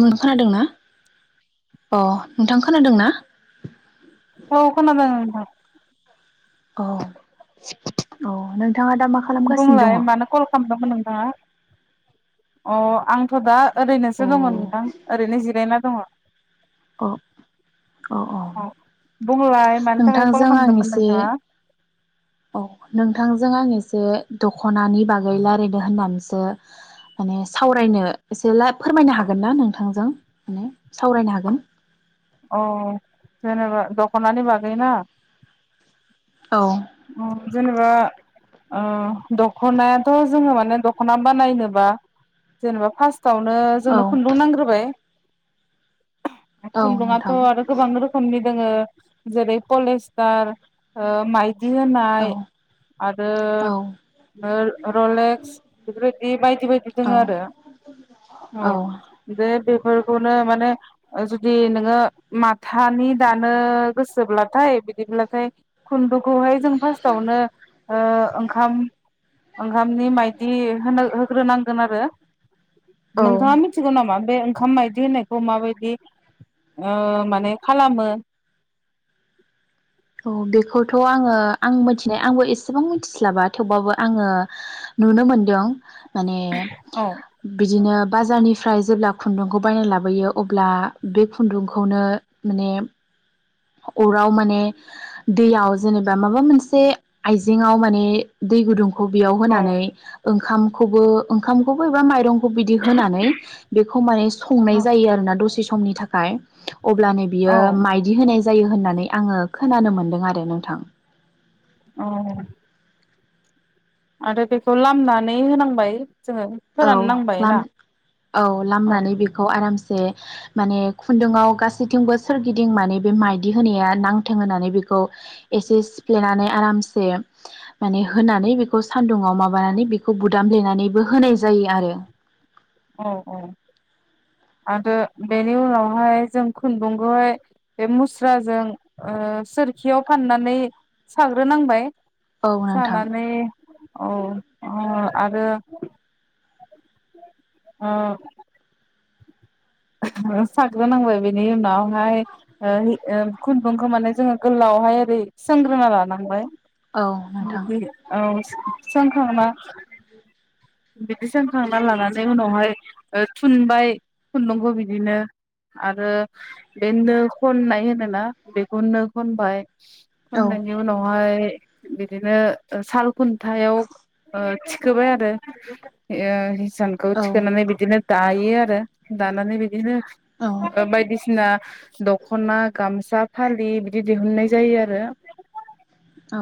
नों खोनादों ना अ नोंथां खोनादों ना? औ खोनादों नोंथां। औ औ न बुंलाय मानो कल खालामदोंमोन नोंथाङा? अ आं दा औ ओरैनोसो दङ नोंथां ओरैनो जिरायना अ अ अ अ औ बुंलाय मानि थाखाय कल नोंथांजों आं खालामदोंमोन एसे नोंथाङा औ नोंथांजों आं एसे दखनानि बागै रायज्लायनो होननानैसो माने सावरायनो एसे ला फोरमायनो हागोन ना नोंथांजों माने सावरायनो हागोन? अ जेनेबा दख'नानि बागै ना? औ। अ जेनेबा अ दखनायाथ जोङो माने दखना बानायनोबा जेनेबा फास्त आवनो औ जोंनो खुन्दुं नांग्रोबाय। औ खुन्दुङाथ नोंथां आरो गोबां रोखोमनि जोङो जेरै पलेस्तार‌ ओ माय मायदि औ होनाय आरो औ ओ रलेक्स बेफोरबायदि बायदि बायदि औ दोङो आरो औ बेफोरखौनो माने ओ जुदि नोङो माथानि दानो गोसोब्लाथाय बिदिब्लाथाय खुन्दुं खौहाय जों फार्स्टावनो ओंखाम ओंखामनि माइदि होनो होग्रोनांगोन आरो। औ नोंथाङा मिथिगौ नामा? बे ओंखाम मायदि होननायखौ माबायदि ओ माने खालामो। औ बेखौथ आङो आं मिथिनाय आंबो एसेबां मिथिस्लाबा थेवबाबो आङो नुनो मोनदों। माने औ बिदिनो बाजारनिफ्राय जेब्ला खुन्दुंखौ बायना लाबोयो अब्ला बे खुन्दुंखौनो माने अराव माने दैयाव जेनेबा माबा मोनसे आइजेंआव माने दै गुदुं खौ बियाव औ होनानै ओंखामखौबो ओंखामखौबो एबा माइरं बिदि होनानै बेखौ माने संनाय औ जायो आरोना दसे समनि थाखाय खाय अब्लानो बियो माइदि होनाय जायो होननानै आङो खोनानो मोनदों आरो नोंथां औ आरो बेखौ लामनानै होनांबाय जोङो औ फोराननांबाय ना औ लामनानै बेखौ आरामसे माने खुन्दंआव गासैथिंबो सोरगिदिं माने बे माइदि होनाया नांथों होननानै बिखौ एसे सिफेलेनानै आरामसे माने होनानै बिखौ सानदुंआव माबानानै बिखौ बदामलेनानैबो होनाय जायो। जायो आरो। औ औ आरो बेनि उनावहाय जों खुन्दुंखौहाय बे मुस्राजों ओ सोरखियाव फाननानै साग्रोनांबाय। औ नोंथां सानानै औ उम आरो उम। [unintelligible] साग्रोनांबाय बिनि उनावहाय ओ उम खुन्दुंखौ माने जोङो गोलावहाय ओरै सोंग्रोना लानांबाय औ नोंथां बि औ सोंखांना बिदि सोंखांना लानानै उनावहाय ओ थुनबाय खुन्दुंखौ बिदिनो आरो बे नो खननाय होनोना बेखौ नो खनबाय औ थुनायनि उनावहाय [unintelligible] बिदिनो साल खुन्थायाव ओ थिखोबाय आरो ओ औ हिसानखौथिोननानै बिदिनो दा यो आरो। दानानै बे औ फोर ओ बायदिसिना दखना गामसा फालि बिदि दिहुननाय जायो आरो। औ।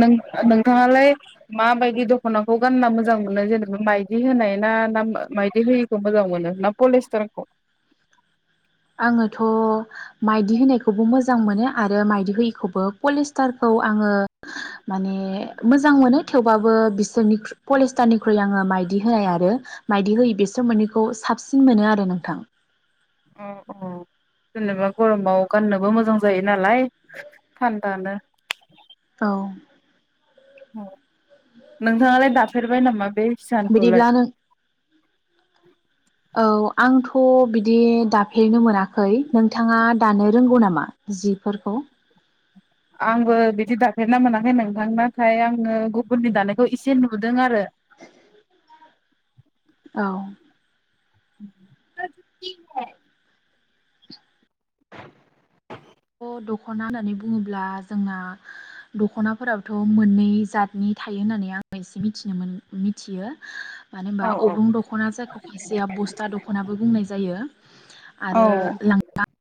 नों नोंथाङालाय माबायदि दख'नाखौ गानना मोजां मोनो जेनेबा मायदि होनाय ना ना मायदि होयिखौ मोजां मोनो ना पलिसथारखौ? आङोथ' माइदि होनायखौबो मोजां मोनो आरो माइदि होयिखौबो पलिस्टारखौ आङो माने मोजां मोनो थेवबाबो बिसोरनिख्रु पलिस्टारनिख्रुइ आङो माइदि होनाय आरो माइदि होयि बिसोर मोननैखौ साबसिन मोनो आरो नोंथां। औ औ जेनोबा गरमाव गाननोबो मोजां जायो नालाय थान्दानो। औ। औ। नोंथाङालाय दाफेरबाय नामा बे हिसानखौलाय? बिदिब्ला नों थ' बिदि दाफेरनो मोनाखै। नोंथाङा दानो रोंगौ नामा जिफोरखौ? आंबो बिदि दाफेरना मोनाखै नोंथां नाथाय आङो गुबुननि दानायखौ एसे नुदों आरो। औ। [unintelligible] थ' दख'ना होननानै बुङोब्ला जोंना दख'नाफोराबथ' मोननै जातनि थायो होननानै आङ एसे मिथिनो मिथियो। मानो होनबा औ अग्रुं दख'ना जायखौ खायसेया बस्था दख'नाबो बुंनाय जायो औ आरो लांफा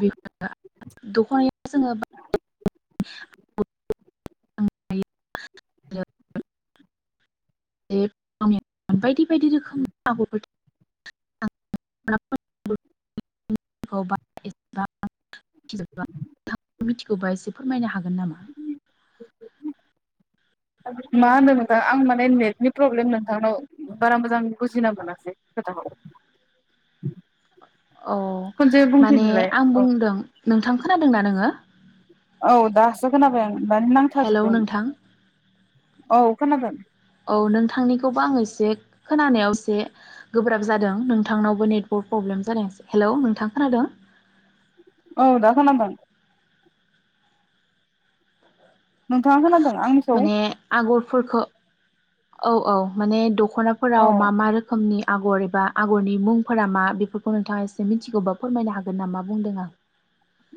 बे [unintelligible] जोङो [unintelligible] [unintelligible] [unintelligible] बायदि बायदि रोखोमनि [unintelligible] [unintelligible] मिथिगौबा एसे फोरमायनो हागोन नामा? मा होनदों नोंथां आं माने नेटनि प्रब्लेम नोंथांनाव बारा मोजां बुजिना मोनासै खोथाखौ? औ खनसे माने बुंफिनलाय आं औ बुंदों नोंथां खोनादोंना नोङो? औ दासो खोनाबाय आं माने हेलौ नांथाजोबदोंमोन। नोंथां औ खोनादों। औ नोंथांनिखौबो आं एसे खोनानायाव एसे गोब्राब जादों नोंथांनावबो नेटवर्क प्रब्लेम जादों ऐसे। हेलौ नोंथां खोनादों? औ दा खोनादों। नोंथाङा खोनादों आंनिखौ माने आगरफोरखौ औ औ माने दख औ दख'नाफोराव मा मा रोखोमनि आगर एबा आगरनि मुंफोरा मा बेफोरखौ नोंथाङा एसे मिथिगौबा फोरमायनो हागोन नामा बुंदों आं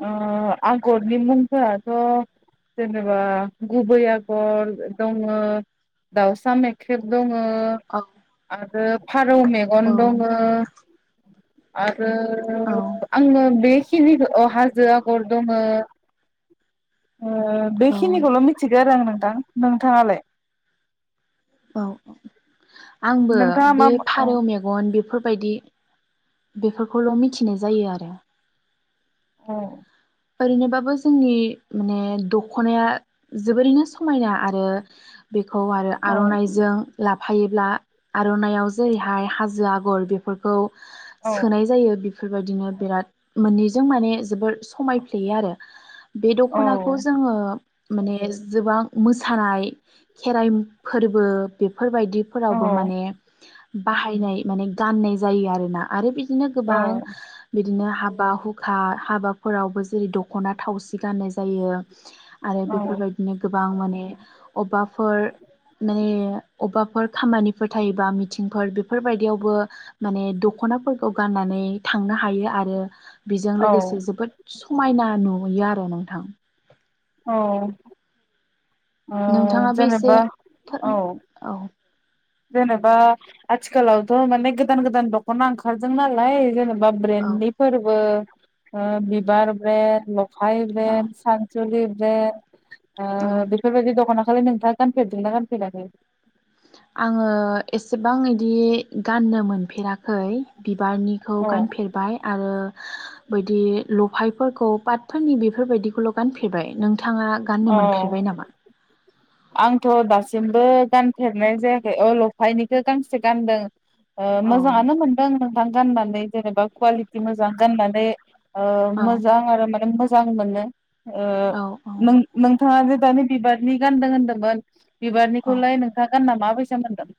ओम आगरनि मुंफोराथ' जेनेबा गुबै आगर दङ दाउसा मेख्रेब दङ ओ औ आरो फारौ मेगन औ दङ आ ओ आंङो बेखिनिखो अ हाजो आगर दंङो ओ औ बेखिनिखौल' मिथिगौ आरो आं दां नोंथाङालाय? औ औ आंबो नोंथाङा बे मा औ फारौ मेगन बेफोर बादि बेफोरखौल' मिथिनाय जायो आरो अ ओरैनोबाबो जोंनि माने दख'नाया जोबोरैनो समायना आरो बेखौ खौ आरो औ आर'नाइजों लाफायोब्ला आर'नाइाव जेरैहाय हाजो आगर बेफोरखौ औ सोनाय जायो बि बेफोरबायदिनो बिराद मोननैजों माने जोबोर समाय फ्लेयो आरो बे औ दख'नाखौ जोङो माने जोबां मोसानाय खेराइ फोरबो बे औ फोरबायदिफोरावबो माने बाहायनाय माने गाननाय जायो आरोना आरो बिदि बिनो गोबां औ बिदिनो हाब बा हुखा हाबाफोरावबो जेरै दख'ना थावसि गाननाय जायो आरो बेफोरबायदिनो गोबां माने अबेबाफोर माने अबेबाफोर खामानिफोर थायोबा मिथिंफोर बेफोरबायदियावबो माने दख'नाफोरखौ गाननानै थांनो हायो आरो बेजों औ लोगोसे जोबोद समायना नुयो आरो नोंथां औ ओ नोंथाङाबो एसे जेनेबा औ फोरमाय औ जेनेबा आथिखालावथ' माने गोदान गोदान दख'ना ओंखारदों नालाय जेनेबा बा औ ब्रेननिफोरबो ओ बिबार ब्रेन ल हाय औ ब्रेन सान [unintelligible] आ औ बेफोरबायदि दखना बेखौलाय नोंथाङा गानफेरदोंना गानफेराखै? आंङो एसेबां इदि गाननो मोनफेराखै बिबारनिखौ औ गानफेरबाय आरो बिदि लफायफोरखौ पाटफोरनि बेफोरबायदिखौल' गानफेरबाय नों नोंथाङा गाननो मोनफेरबाय नामा? आंथ' दासिमबो गानफेरनाय जायाखै अ लफायनिखौ गांसे गानदों ओ औ मोजांङानो मोनदों मोजां गाननानै जेनेबा कुवालिटि मोजां गाननानै ओ औ मोजां आरो माने मोजां मोनो ओ औ औ नों नोंथाङा जे दानि बिबारनि गानदों होनदोंमोन औ बिबारनिखौलाय नोंथां गोनना माबादि फैसा मोनद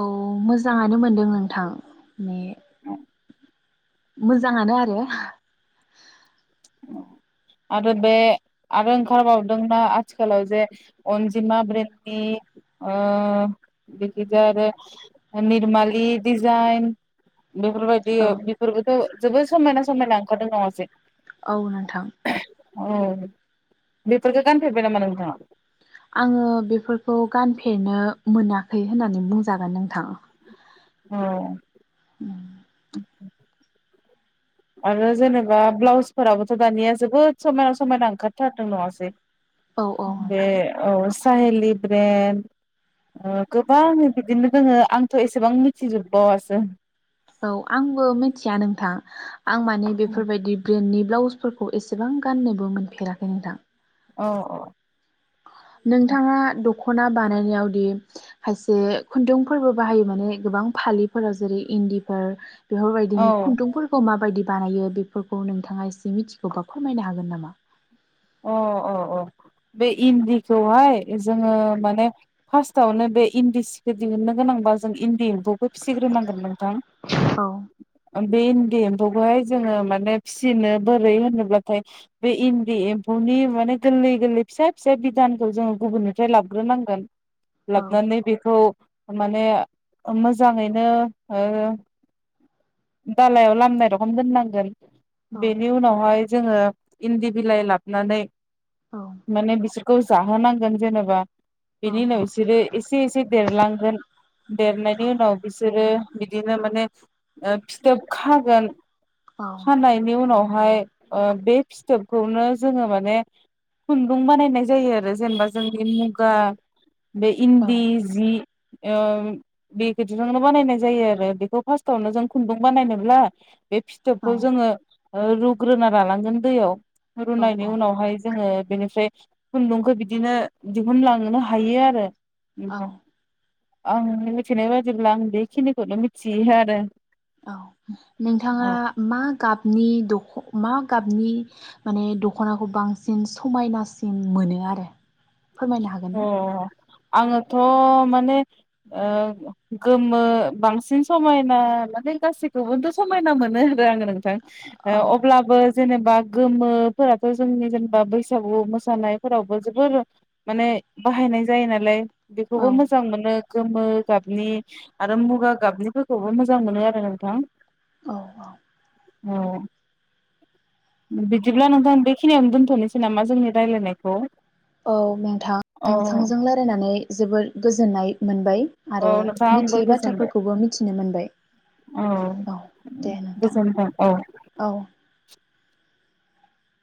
औ मोजाङानो मोनदों नोंथां। [unintelligible] मोजांङानो आरो आरो बे आरो ओंखारबावदोंना आथिखालाव जे अनजिमा ब्रेन्डनि ओ बिखिजा आरो ओ निरमालि डिजाइन बेफोरबायदि औ बेफोरबोथ' जोबोद समायना समायना ओंखारदों नङासै औ नोंथां औ बैफोरखौ गानफेरबाय नामा नोंथाङा? आं। ङो बेफोरखौ गानफेरनो मोनाखै होननानै बुंजागोन नोंथां औ उम आरो जेनेबा ब्लाउसफोराबोथ' दानिया जोबोद समायना समायना ओंखारथारदों नङासै औ औ बे नोंथां औ साहेलि ब्रेन्ड गोबां ओ बिदिनो दोङो आंथ' एसेबां मिथिजोब बावासो औ आंबो मिथिया नोंथां आं माने बेफोरबायदि ब्रेन्डनि ब्लाउस फोरखौ इसेबां गाननोबो मोनफेराखै नोंथां औ औ नोंथाङा दख दखना बानायनायावदि खायसे खुन्दुंफोरबो बाहायो माने गोबां फालिफोराव जेरै इन्दिफोर बेफोरबायदिनि औ खुन्दुंफोरखौ माबायदि बानायो बेफोरखौ नोंथाङा एसे मिथिगौबा फोरमायनो हागोन नामा अ अ अ बे इन्दिखौहाय जोङो माने फार्स्टावनो बे इन्दि सिखो दिहुननो गोनांबा जों इन्दि एम्फौ फिसिग्रो नांगोन नोंथां औ बे इन्दि एम्फौखौहाय जोङो माने फिसिनो बोरै होनोब्लाथाय बे इन्दि एम न'नि माने गोरलै गोरलै फिसा फिसा बिधानखौ जोङो गुबुननिफ्राय लाबग्रोनांगोन औ लाबनानै बेखौ माने ओ मोजाङैनो ओ दालायाव लामनाय रखम दोननांगोन। औ बेनि उनावहाय जोङो इन्दि बिलाइ लाब नानै औ माने बिसोर खौ जाहोनांगोन जेनेबा बेनि उनाव औ बिसोरो एसे एसे देरलांगोन औ देरनायनि उनाव बिसोरो बिदिनो माने ओ फिथोब खागोन औ खानायनि उनावहाय ओ बे फिथोबखौनो जोङो माने खुन्दुं बानायनाय जायो आरो जेनेबा जोंनि मुगा बे औ इन्दि जि एम बे बिदिजोंनो बानायनाय जायो आरो बेखौ फार्स्टावनो जों खुन्दुं बानायनोब्ला बे फिथोबखौ औ जोङो ओ रुग्रोना लालांगोन दैयाव रुनायनि औ उनावहाय जोङो‌। बेनिफ्राय खुन्दुंखो बिदिनो दिहुनलांनो हायो आरो। औ औ उमफा आं मिथिनाय बादिब्ला आं बेखिनिखौनो मिथियो आरो। औ नोंथाङा औ मा गाबनि दख' मा गाबनि माने दख'नाखौ बांसिन समायनासिन मोनो आरो। फोरमायनो हागोन अ ना? आङोथ' माने ओ गोमो बांसिन समायना माने गासैखौबोथ' समायना मोनो। रो आंङो नोंथां ओ औ अब्लाबोज जेनेबा गोमोफोराथ' जोंनि जेनेबा बैसागु मोसानायफोरावबो जोबोर। माने बाहायनाय जायो नालाय। औ बेखौबो मोजां मोनो। गोमो गाबनि आरो मुगा गाबनिफोरखौबो मोजां मोनो आरो नोंथां। औ औ। अ बिदिब्ला नोंथां बेखिनियावनो दोनथ'नोसै नामा जोंनि राय्लायनायखौ। औ नोंथां नोंथांजों रायलायनानै जोबोर गोजोननाय मोनबाय। औ आरो नोंथाङा आंबो मिथियै गोजोनबाय बाथ्राफोरखौबो मिथिनो मोनबाय। औ औ दे नोंथां। गोजोनथों औ। औ